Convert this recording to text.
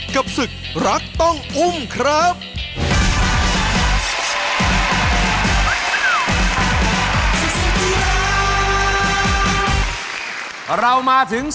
กับศึกรักต้องอุ้มครับ